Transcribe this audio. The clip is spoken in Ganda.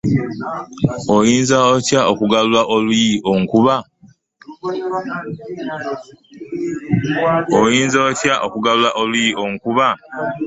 Oyinza otya okugalula oluyi onkuba?